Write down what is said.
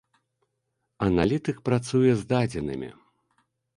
Аналітык працуе з дадзенымі.